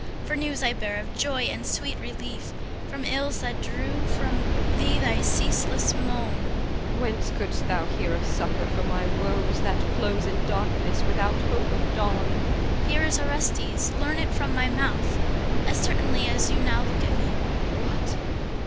For news I bear of joy and sweet relief From ills that drew from thee thy ceaseless moan. EL. Whence couldst thou hear of succour for my woes, That close in darkness without hope of dawn? CHR. Here is Orestes, learn it from my mouth, As certainly as you now look on me. EL. What?